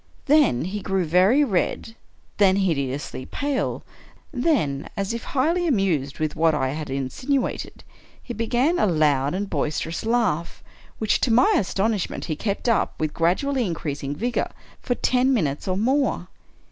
Then he grew very red — then hideously pale — then, as if highly anmsed with what I had insinuated, he began a loud and boisterous laugh, which, to my astonishment, he kept up, with gradually increasing vigor, for ten minutes or more.